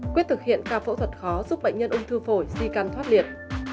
quyết thực hiện ca phẫu thuật khó giúp bệnh nhân ung thư phổi di căn thoát liệt